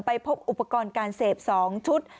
พบอุปกรณ์การเสพ๒ชุด